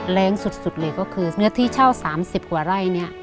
แรงสุดเลยก็คือเนื้อที่เช่า๓๐กว่าไร่เนี่ย